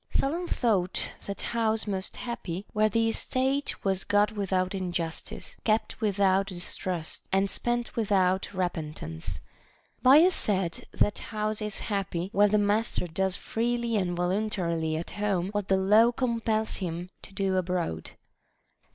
Solon thought that house most happy where the estate was got without injustice, kept without distrust, and spent without repentance. Bias said, That house is happy where the master does freely and voluntarily at home what the law compels him to do abroad.